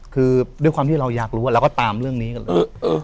คือด้วยความที่เราอยากรู้เราก็ตามเรื่องนี้กันเลย